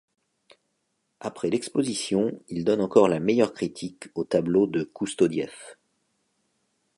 Après l'exposition il donne encore la meilleure critique au tableau de Koustodiev.